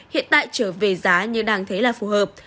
hiện tại trở về giá như đang thế là phù hợp